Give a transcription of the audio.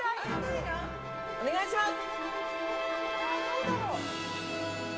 お願いします！